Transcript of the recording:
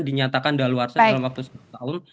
dinyatakan dalawarsa dalam waktu satu tahun